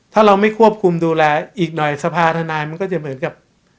ถ้าเราไม่ควบคุมดูแลอีกหน่อยสภาธนายมันก็จะเหมือนกับ